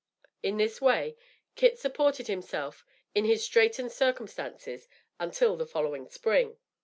In this way Kit supported himself in his straitened circumstances until the following spring.